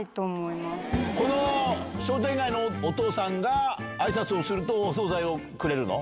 この商店街のお父さんが挨拶をするとお総菜をくれるの？